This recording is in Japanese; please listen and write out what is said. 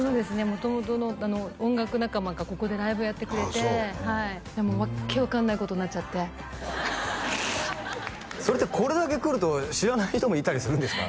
元々の音楽仲間がここでライブやってくれてでもう訳分かんないことになっちゃってこれだけ来ると知らない人もいたりするんですか？